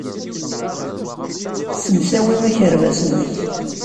Ssemsawi akerbas-nnek.